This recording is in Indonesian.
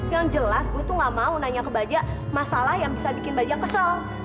yang jelas gue tuh gak mau nanya ke baja masalah yang bisa bikin baja kesel